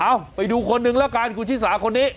เอาไปดูคนนึงล่ะกันคุณชิ้นสาวคนนี้